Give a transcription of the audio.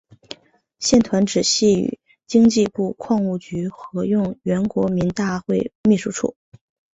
现团址系与经济部矿务局合用原国民大会秘书处。